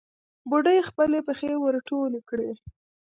بوډۍ خپلې پښې ور ټولې کړې.